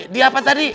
di apa tadi